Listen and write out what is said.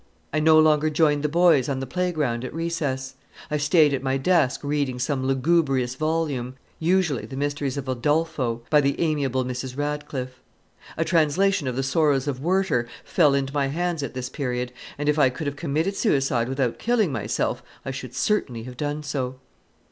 I no longer joined the boys on the playground at recess. I stayed at my desk reading some lugubrious volume usually The Mysteries of Udolpho, by the amiable Mrs. Radcliffe. A translation of The Sorrows of Werter fell into my hands at this period, and if I could have committed suicide without killing myself, I should certainly have done so.